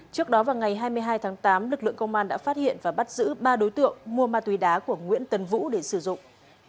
trước đó vào ngày hai mươi hai tháng tám lực lượng công an đã phát hiện và bắt giữ ba đối tượng mua ma túy đá của nguyễn tấn vũ để sử dụng